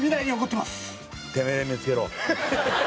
てめえで見付けろ。